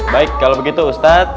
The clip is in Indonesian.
baik kalau begitu ustadz